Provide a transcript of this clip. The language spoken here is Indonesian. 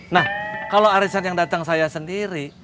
nah kalau arisan yang datang saya sendiri